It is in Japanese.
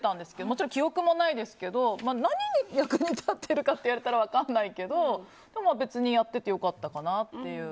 もちろん記憶もないですけど何に役に立っているかと言われたら分からないけど別にやってて良かったかなという。